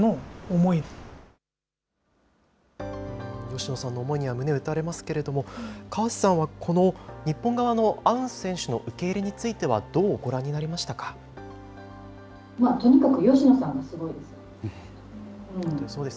吉野さんの思いには胸を打たれますけれども、河瀬さんはこの、日本側のアウン選手の受け入れについてはどうご覧になりましたかとにかく吉野さんがすごいです。